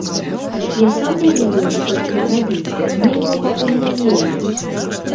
Я сам не ведаю, што з ім рабіць, мы яго пакуль не елі.